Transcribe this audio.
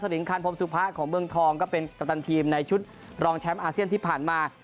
ลิงคันพรมสุพะของเมืองทองก็เป็นกัปตันทีมในชุดรองแชมป์อาเซียนที่ผ่านมา